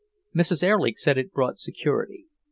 Mrs. Erlich said it brought security.